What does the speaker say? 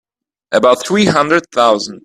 About three hundred thousand.